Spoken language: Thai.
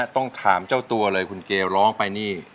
ต้องถามเจ้าตัวเลยคุณเกลร้องไปนี่